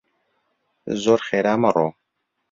زۆر خێرا مەڕۆ!